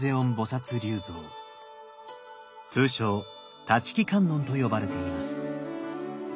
通称立木観音と呼ばれています。